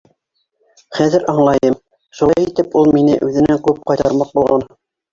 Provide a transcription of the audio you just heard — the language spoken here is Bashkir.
Хәҙер аңлайым: шулай итеп ул мине үҙенән ҡыуып ҡайтармаҡ булған.